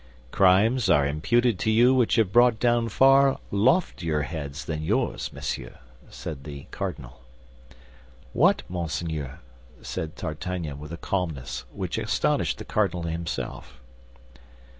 "Crimes are imputed to you which had brought down far loftier heads than yours, monsieur," said the cardinal. "What, monseigneur?" said D'Artagnan, with a calmness which astonished the cardinal himself.